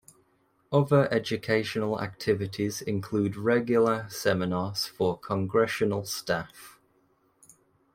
Other educational activities include regular seminars for Congressional staff.